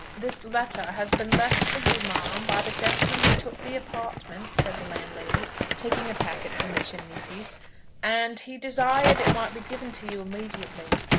"This letter has been left for you, ma'am, by the gentleman who took the apartment," said the landlady, taking a packet from the chimney piece; "and he desired it might be given to you immediately."